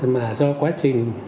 mà do quá trình